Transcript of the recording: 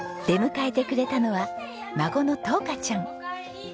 出迎えてくれたのは孫の柊佳ちゃん。